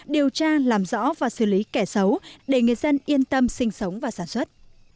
điều tra làm rõ và xử lý kẻ xấu để người dân yên tâm sinh sống và sản xuất